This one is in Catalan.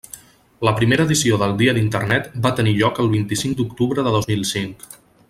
La primera edició del Dia d'Internet va tenir lloc el vint-i-cinc d'octubre de dos mil cinc.